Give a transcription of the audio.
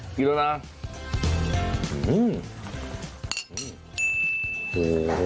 กินแล้วนะ